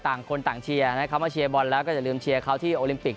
แต่แบบของคนต่างเชียร์นะเขามาเชียร์บอลแล้วก็จะลืมเชียร์เขาที่โอลิมปิก